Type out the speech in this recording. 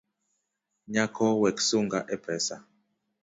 Nyako sek sunga e pesa.